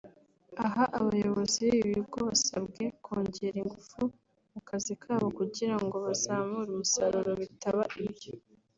Aha abayobozi b’ibi bigo basabwe kongera ingufu mu kazi kabo kugirango bazamure umusaruro bitaba ibyo